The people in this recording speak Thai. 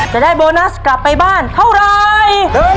จะได้โบนัสกลับไปบ้านเท่าไร